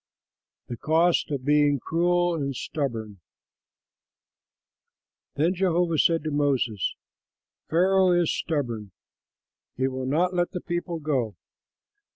THE COST OF BEING CRUEL AND STUBBORN Then Jehovah said to Moses, "Pharaoh is stubborn; he will not let the people go.